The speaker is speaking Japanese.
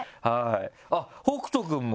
あっ北斗くんも！